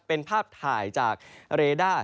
เป็นภาพถ่ายจากเรด้า